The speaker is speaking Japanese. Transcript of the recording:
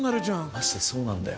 マジでそうなんだよ。